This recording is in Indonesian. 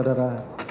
lalu di lima